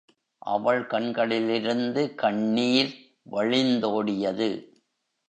அவள் கண்களிலிருந்து கண்ணீர் வழிந்தோடியது.